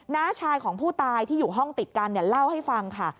้าชายของผู้ตายที่อยู่ห้องติดกันเล่าให้ฟังค่ะ